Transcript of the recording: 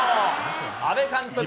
阿部監督。